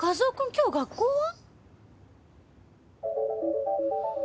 今日学校は？